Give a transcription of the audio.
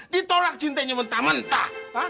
ditolak cintanya mentah mentah